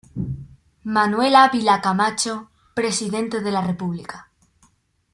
Manuel Ávila Camacho, Presidente de la República.